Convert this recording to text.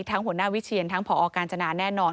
หัวหน้าวิเชียนทั้งผอกาญจนาแน่นอน